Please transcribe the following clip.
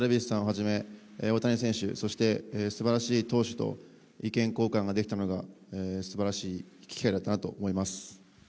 はじめ大谷選手、そしてすばらしい投手と意見交換ができたのがすばらしい機会だったなと思います。